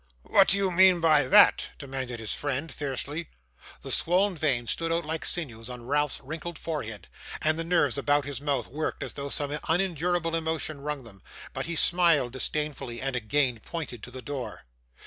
'What do you mean by that?' demanded his friend, fiercely. The swoln veins stood out like sinews on Ralph's wrinkled forehead, and the nerves about his mouth worked as though some unendurable emotion wrung them; but he smiled disdainfully, and again pointed to the door.